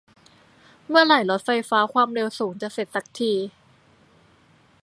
เมื่อไหร่รถไฟฟ้าความเร็วสูงจะเสร็จสักที